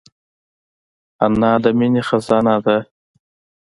انا د مینې خزانه ده